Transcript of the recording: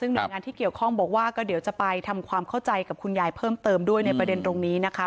ซึ่งหน่วยงานที่เกี่ยวข้องบอกว่าก็เดี๋ยวจะไปทำความเข้าใจกับคุณยายเพิ่มเติมด้วยในประเด็นตรงนี้นะคะ